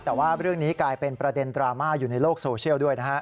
แต่ว่าเรื่องนี้กลายเป็นประเด็นดราม่าอยู่ในโลกโซเชียลด้วยนะฮะ